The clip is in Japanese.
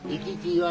はい。